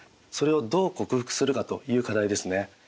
それをどう克服するかという課題ですね。